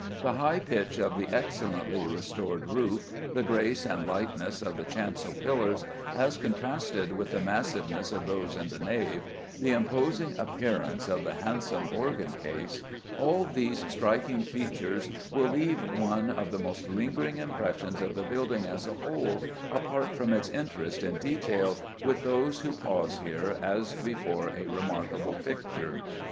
The high pitch of the excellently restored roof, the grace and lightness of the chancel pillars as contrasted with the massiveness of those in the nave, the imposing appearance of the handsome organ case all these striking features will leave one of the most lingering impressions of the building as a whole, apart from its interest in detail, with those who pause here as before a remarkable picture.